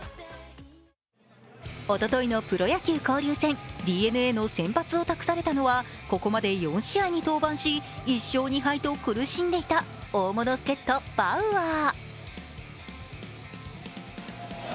おとといのプロ野球交流戦、ＤｅＮＡの先発を託されたのはここまで４試合に登板し、１勝２敗と苦しんでいた、苦しんでいた大物助っとバウアー。